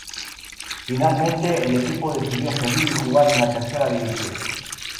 Finalmente, el equipo decidió seguir y jugar en la tercera división.